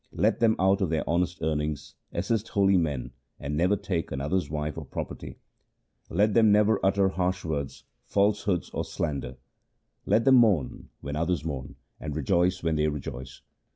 Let them out of their honest earnings assist holy men and never take another's wife or property. Let them never utter harsh words, falsehood, or slander. 138 THE SIKH RELIGION Let them mourn when others mourn, and rejoice when they rejoice.